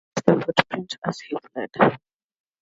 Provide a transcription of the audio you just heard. He left the footprint as he fled.